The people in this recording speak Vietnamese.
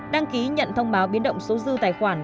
đăng ký nhận thông báo biến động số dư tài khoản